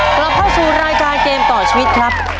กลับเข้าสู่รายการเกมต่อชีวิตครับ